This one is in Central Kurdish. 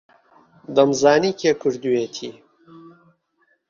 دەمزانی کێ کردوویەتی.